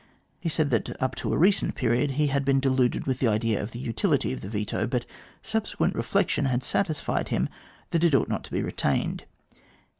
He said that up to a recent period he had been deluded with the idea of the utility of the veto, but subsequent reflection had satisfied him that it ought not to be retained.